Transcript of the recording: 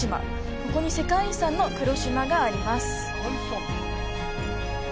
ここに世界遺産の黒島があります。